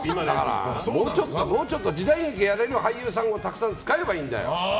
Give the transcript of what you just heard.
もうちょっと時代劇やれる俳優さんをたくさん使えばいいんだよ。